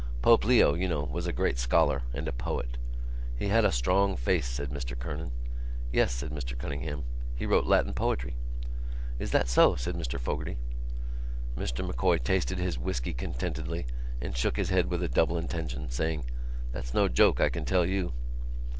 "Pope Leo, you know, was a great scholar and a poet." "He had a strong face," said Mr Kernan. "Yes," said Mr Cunningham. "He wrote Latin poetry." "Is that so?" said Mr Fogarty. Mr M'Coy tasted his whisky contentedly and shook his head with a double intention, saying: "That's no joke, I can tell you."